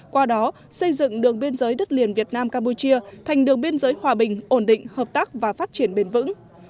qua đó xây dựng đường biên giới đất liền việt nam campuchia thành đường biên giới hòa bình ổn định hợp tác và phát triển bền vững